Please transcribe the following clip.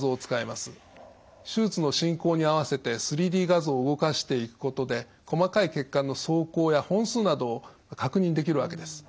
手術の進行に合わせて３Ｄ画像を動かしていくことで細かい血管の走行や本数などを確認できるわけです。